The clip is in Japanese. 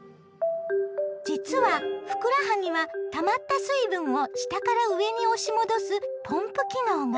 実はふくらはぎはたまった水分を下から上に押し戻すポンプ機能が。